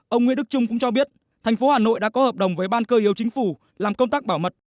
ông nguyễn đức trung cũng cho biết thành phố hà nội đã có hợp đồng với ban cơ yếu chính phủ làm công tác bảo mật